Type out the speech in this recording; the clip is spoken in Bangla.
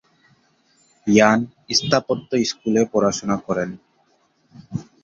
ইয়ান স্থাপত্য স্কুলে পড়াশুনা করেন।